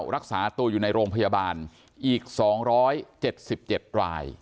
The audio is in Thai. รักษาตัวอยู่ในโรงพยาบาลอีก๒๗๗ราย